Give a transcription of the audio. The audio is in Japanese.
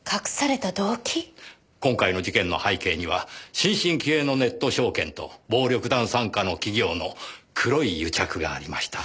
今回の事件の背景には新進気鋭のネット証券と暴力団傘下の企業の黒い癒着がありました。